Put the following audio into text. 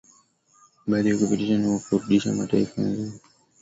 Baada ya kupitishwa na kuridhiwa na mataifa zaidi ya mia moja sitini